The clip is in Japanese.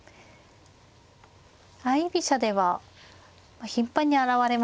相居飛車では頻繁に現れますよね